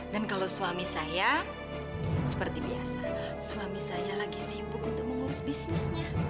dan kalau suami saya seperti biasa suami saya lagi sibuk untuk mengurus bisnisnya